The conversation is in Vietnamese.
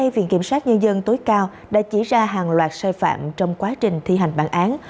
viện kiểm sát nhân dân tối cao đã chỉ ra hàng loạt sai phạm trong quá trình thi hành bản án